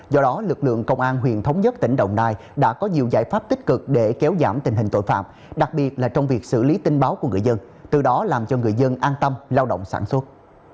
do đó lực lượng công an huyện thống nhất tỉnh đồng nai đã có nhiều giải pháp tích cực để kéo giảm tình hình tội phạm đặc biệt là trong việc xử lý tin báo của người dân từ đó làm cho người dân an tâm lao động sản xuất